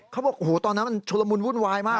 เขาบอกโอ้โหตอนนั้นมันชุลมุนวุ่นวายมาก